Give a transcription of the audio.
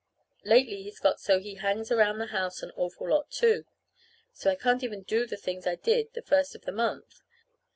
Lately he's got so he hangs around the house an awful lot, too, so I can't even do the things I did the first of the month.